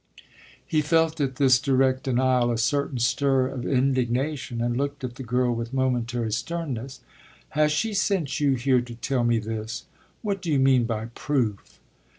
He felt at this direct denial a certain stir of indignation and looked at the girl with momentary sternness. "Has she sent you here to tell me this? What do you mean by proof?"